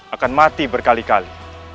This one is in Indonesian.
akan mati berkali kali